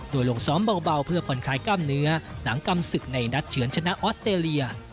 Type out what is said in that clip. โดยลงซ้อมเบาเพื่อผ่อนคลายกล้ามเนื้อหนังกำศึกในนัดเฉือนชนะออสเตรเลีย